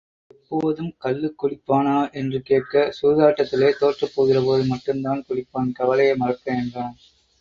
எப்போதும் கள்ளுக் குடிப்பானா? என்று கேட்க சூதாட்டத்திலே தோற்றுப் போகிறபோது மட்டும் தான் குடிப்பான், கவலையை மறக்க என்றான்.